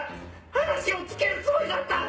話をつけるつもりだった！